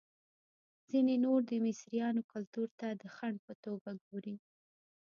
ځینې نور د مصریانو کلتور ته د خنډ په توګه ګوري.